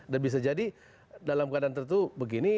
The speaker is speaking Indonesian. dan bisa jadi dalam keadaan tertentu begini